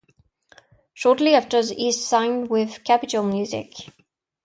Shortly after he signed with Capital Music.